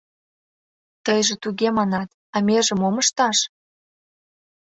Тыйже туге манат, а меже мом ышташ?